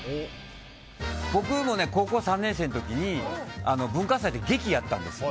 僕、高校３年生の時に文化祭で劇をやったんです。